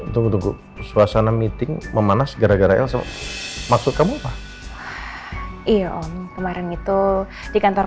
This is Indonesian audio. tunggu tunggu suasana meeting memanas gara gara maksud kamu apa iya om kemarin itu di kantor